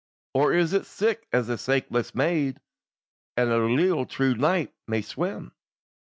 Or is it sic as a saikless maid, And a leal true knight may swim?"